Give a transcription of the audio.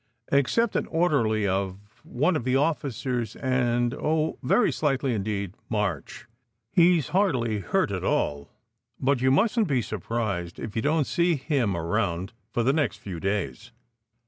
"Except an orderly of one of the officers, and oh, very slightly indeed March. He s hardly hurt at all, but you mustn t be surprised if you don t see him around for the next few days."